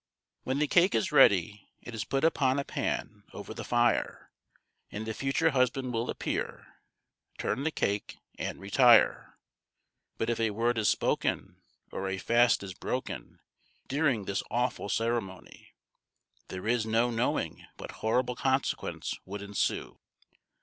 When the cake is ready, it is put upon a pan over the fire, and the future husband will appear, turn the cake, and retire; but if a word is spoken, or a fast is broken, during this awful ceremony, there is no knowing what horrible consequence would ensue!